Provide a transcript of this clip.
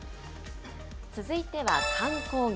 続いては観光業。